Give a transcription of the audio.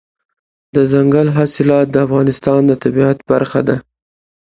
دځنګل حاصلات د افغانستان د طبیعت برخه ده.